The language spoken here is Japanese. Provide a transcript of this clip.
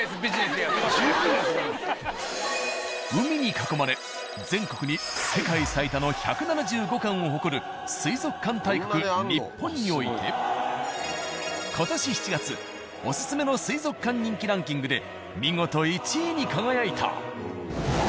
海に囲まれ全国に世界最多の１７５館を誇る水族館大国日本において今年７月おすすめの水族館人気ランキングで見事１位に輝いた。